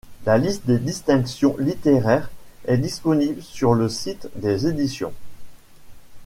La liste des distinctions littéraires est disponible sur le site des éditions.